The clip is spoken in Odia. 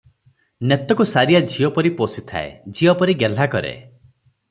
ନେତକୁ ସାରିଆ ଝିଅପରି ପୋଷିଥାଏ, ଝିଅପରି ଗେହ୍ଲା କରେ ।